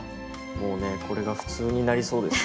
もうねこれが普通になりそうですよ。